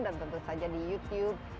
dan tentu saja di youtube